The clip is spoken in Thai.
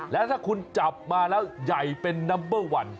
แล้วถ้าคุณจับมาแล้วใหญ่เป็นนัมเบอร์วัน